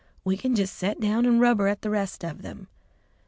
"We can just set down and rubber at the rest of them."